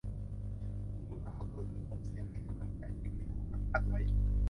หนูตะเภาตัวอื่นส่งเสียงให้กำลังใจจึงได้ถูกกักกั้นไว้